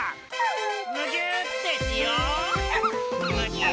むぎゅーってしよう！